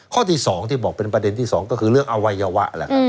ข้อที่๒ที่บอกเป็นประเด็นที่๒ก็คือเรื่องอวัยวะแหละครับ